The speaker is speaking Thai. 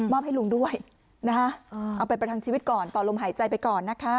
ให้ลุงด้วยนะคะเอาไปประทังชีวิตก่อนต่อลมหายใจไปก่อนนะคะ